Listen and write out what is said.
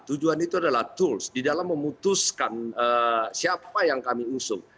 tujuan itu adalah tools di dalam memutuskan siapa yang kami usung